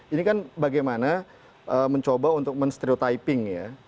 ini kan bagaimana mencoba untuk men stereotyping ya